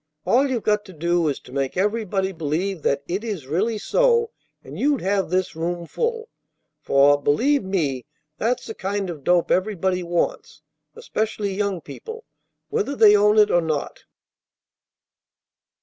All you've got to do is to make everybody believe that it is really so, and you'd have this room full; for, believe me, that's the kind of dope everybody wants, especially young people, whether they own it or not."